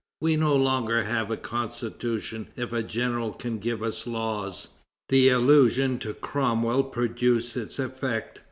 We no longer have a constitution if a general can give us laws." The allusion to Cromwell produced its effect.